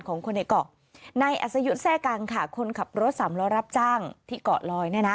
ของคนในเกาะนายอัศยุทธ์แทร่กังค่ะคนขับรถสามล้อรับจ้างที่เกาะลอยเนี่ยนะ